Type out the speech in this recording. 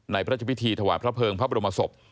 ในพระจบิถีถวายพระเภิงพระบรมศพ